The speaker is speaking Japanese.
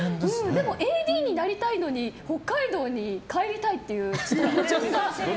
でも、ＡＤになりたいのに北海道に帰りたいっていう矛盾が。